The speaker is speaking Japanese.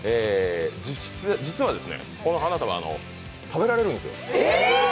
実はこの花束、食べられるんですよ。